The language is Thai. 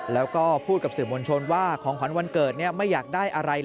แล้วก็พูดกับสื่อมวลชนว่าของขวัญวันเกิดไม่อยากได้อะไร